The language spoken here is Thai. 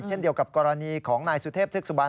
เช่นเดียวกับกรณีของนายสุเทพธึกสุบัน